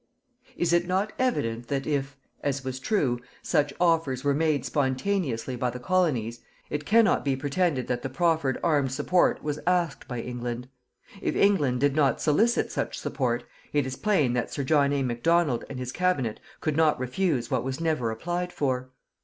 Is it not evident that if as was true such offers were made spontaneously by the Colonies, it cannot be pretended that the proffered armed support was asked by England. If England did not solicit such support, it is plain that Sir John A. Macdonald and his Cabinet could not refuse what was never applied for.